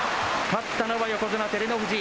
勝ったのは横綱・照ノ富士。